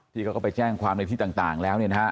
เขาก็ไปแจ้งความในที่ต่างแล้วเนี่ยนะฮะ